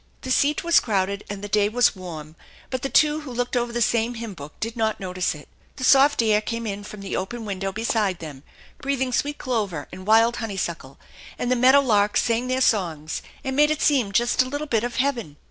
The seat was crowded and the day was warm, but the two who looked over the same hymn book did not notice it. The soft, air came in from the open window beside them, breathing sweet clover and wild honeysuckle, and the meadow larks sang their songs, and made it seem just like a little bit of heaven.